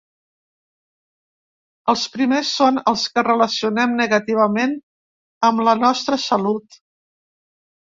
Els primers són els que relacionem negativament amb la nostra salut.